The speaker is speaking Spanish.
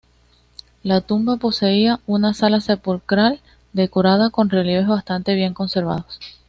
La tumba poseía una sala sepulcral, decorada con relieves bastante bien conservados.